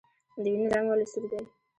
د وینې رنګ ولې سور دی